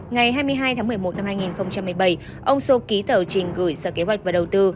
ngày hai mươi hai tháng một mươi một năm hai nghìn một mươi bảy ông sô ký tờ trình gửi sở kế hoạch và đầu tư